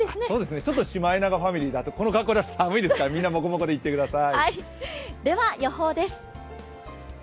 ちょっとシマエナガファミリーのこの格好では寒いのでみんなモコモコで行ってください。